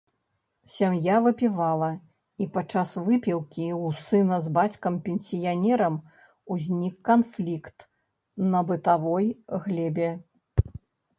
Сям'я выпівала, і падчас выпіўкі ў сына з бацькам-пенсіянерам узнік канфлікт на бытавой глебе.